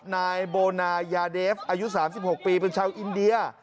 นายโบนายาเดฟอายุ๓๖ปีเป็นชาวอินเดีย